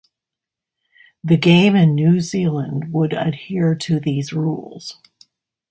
The game in New Zealand would adhere to these rules.